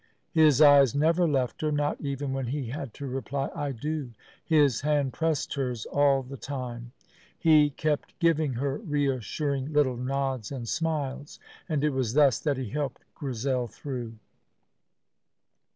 His eyes never left her, not even when he had to reply "I do." His hand pressed hers all the time. He kept giving her reassuring little nods and smiles, and it was thus that he helped Grizel through.